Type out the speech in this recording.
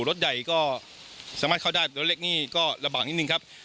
รถใหญ่ก็สามารถเข้าได้รถเล็กนี่ก็ระบากนิดนึงครับ